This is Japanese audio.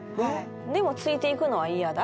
でもついていくのはイヤだ？